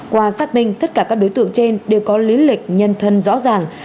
qua xác minh tất cả các đối tượng trên đều có lý lịch nhân thân rõ ràng